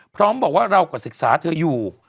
พร้อมบอกว่าเราก็ศึกษาเธออยู่